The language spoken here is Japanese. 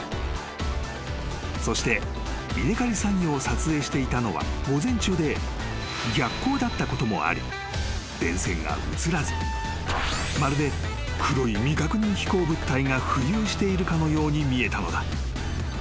［そして稲刈り作業を撮影していたのは午前中で逆光だったこともあり電線が写らずまるで黒い未確認飛行物体が浮遊しているかのように見えたのだ］